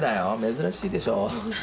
珍しいでしょ。